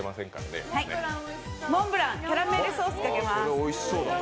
モンブラン、キャラメルソースかけます。